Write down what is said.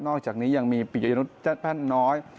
นอกจากนี้ยังมีปิยายนุษย์แจ้งแป้นน้อย